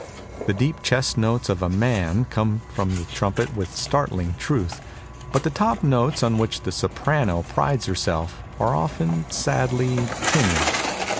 The deep chest notes of a man come from the trumpet with startling truth, but the top notes on which the soprano prides herself are often sadly "tinny."